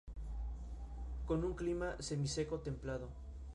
La península de Kii tomó su nombre de esta provincia.